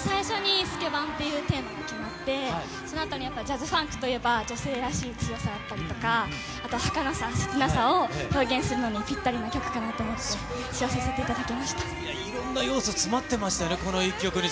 最初にスケバンっていうテーマが決まって、そのあとにやっぱジャズファンクといえば、女性らしい強さだったりとか、あとはかなさ、切なさを表現するのにぴったりな曲かなと思って起用させていただいや、いろんな要素、詰まってましたよね、この一曲に。